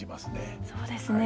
そうですね。